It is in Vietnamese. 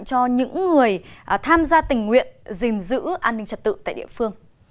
cho những người tham gia tình nguyện gìn giữ an ninh trật tự tại địa phương